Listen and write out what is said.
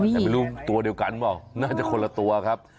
แต่ไม่รู้ตัวเดียวกันเปล่าน่าจะคนละตัวครับ